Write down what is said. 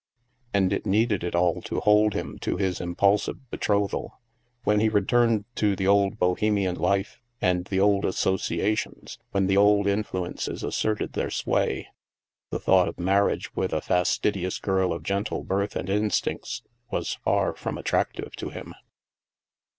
And it needed it all to hold him to his impulsive betrothal. When he returned to the old Bohemian life and the old associations, when the old influ ences asserted their sway, the thought of marriage with a fastidious girl of gentle birth and instincts was far from attractive to him.